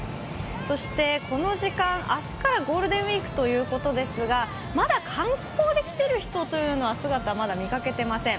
そして、この時間、明日からゴールデンウイークということですがまだ観光できている人は、姿、まだ、見かけていません。